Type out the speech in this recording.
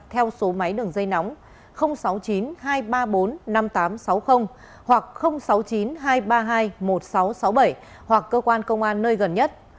theo số máy đường dây nóng sáu mươi chín hai trăm ba mươi bốn năm nghìn tám trăm sáu mươi hoặc sáu mươi chín hai trăm ba mươi hai một nghìn sáu trăm sáu mươi bảy hoặc cơ quan công an nơi gần nhất